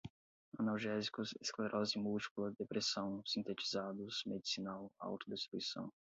analgésicos, esclerose múltipla, depressão, sintetizados, medicinal, autodestruição